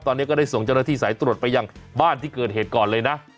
ตอนนี้ก็ได้ส่งเจ้าหน้าที่สายตรวจไปยังบ้านที่เกิดเหตุก่อนเลยนะ